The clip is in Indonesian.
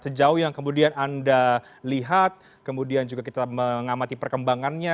sejauh yang kemudian anda lihat kemudian juga kita mengamati perkembangannya